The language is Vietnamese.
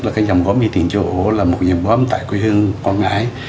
đó là dòng góm y tiện chủ là một dòng góm tại quê hương quang ngãi